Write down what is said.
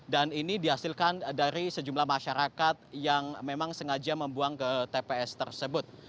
dan ini dihasilkan dari sejumlah masyarakat yang memang sengaja membuang ke tps tersebut